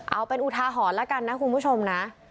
เอาเป็นอุทาหรณ์แล้วกันนะคุณผู้ชมนะ